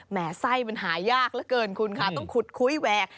ไส้มันหายากเหลือเกินคุณค่ะต้องขุดคุยแหวก